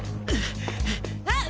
あっ！？